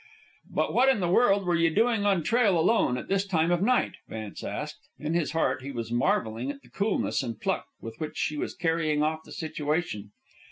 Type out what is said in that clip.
"But what in the world were you doing on trail, alone, at this time of night?" Vance asked. In his heart he was marvelling at the coolness and pluck with which she was carrying off the situation.